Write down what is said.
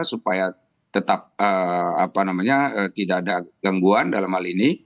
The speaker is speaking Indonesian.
supaya tetap tidak ada gangguan dalam hal ini